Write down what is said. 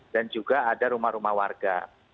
dan juga ada rumah rumah warga